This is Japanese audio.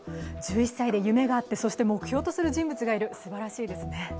１１歳で夢があって目標とする人物がいるすばらしいですね。